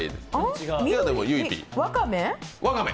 わかめ？